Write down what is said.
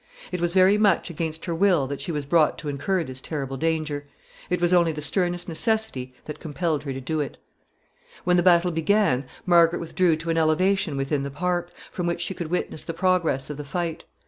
It was very much against her will that she was brought to incur this terrible danger. It was only the sternest necessity that compelled her to do it. [Sidenote: She witnesses the fight.] When the battle began, Margaret withdrew to an elevation within the park, from which she could witness the progress of the fight.